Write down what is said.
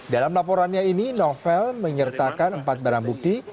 dalam laporannya ini novel menyertakan empat barang bukti